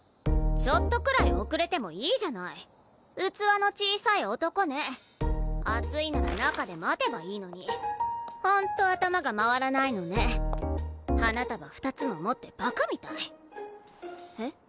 ちょっとくらい遅れてもいいじゃない器の小さい男ね暑いなら中で待てばいいのにホント頭が回らないのね花束２つも持ってバカみたいえっ？